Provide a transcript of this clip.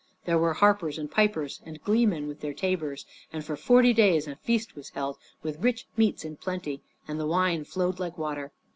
There were harpers and pipers and gleemen with their tabors; and for forty days a feast was held with rich meats in plenty and the wine flowed like water.